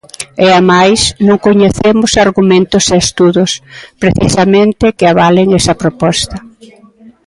E é máis, non coñecemos argumentos e estudos precisamente que avalen esa proposta.